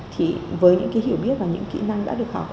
thì với những cái hiểu biết và những kỹ năng đã được học